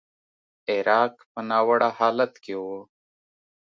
عراق په ناوړه حالت کې و.